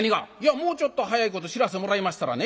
「もうちょっと早いこと知らせてもらいましたらね